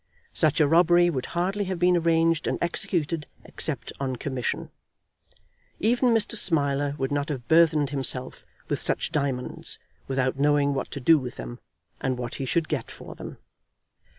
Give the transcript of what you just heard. Such a robbery would hardly have been arranged and executed except on commission. Even Mr. Smiler would not have burthened himself with such diamonds without knowing what to do with them, and what he should get for them.